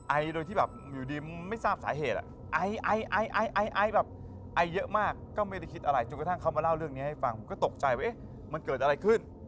ไอโดยที่แบบอยู่ดีไม่ทราบสาเหตุไอไอไอไอไอแบบไอเยอะมากก็ไม่ได้คิดอะไรจนกระทั่งเขามาเล่าเรื่องนี้ให้ฟังผมก็ตกใจว่ามันเกิดอะไรขึ้น